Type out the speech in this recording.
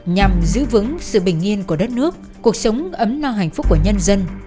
nhằm giữ vững sự bình yên của đất nước cuộc sống ấm no hạnh phúc của nhân dân